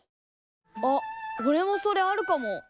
あっおれもそれあるかも。